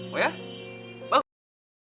oh ya bagus